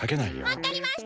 わっかりました。